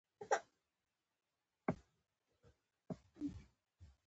غلام حيدر حميدي د کندهار ښاروال وو.